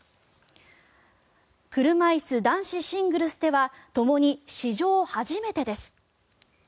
車いす男子シングルスではともに史上初めてです。